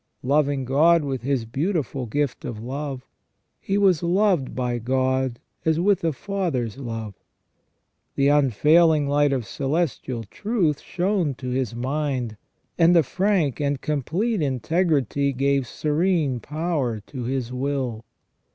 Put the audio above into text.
Loving God with His beautiful gift of love, he was loved by God as with a father's love. The unfailing light of celestial truth shone to his mind, and a frank and complete integrity gave serene power to his will.